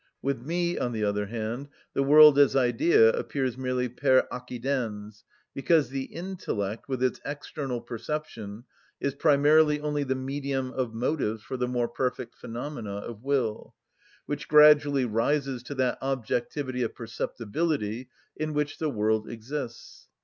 With me, on the other hand, the world as idea appears merely per accidens, because the intellect, with its external perception, is primarily only the medium of motives for the more perfect phenomena of will, which gradually rises to that objectivity of perceptibility, in which the world exists.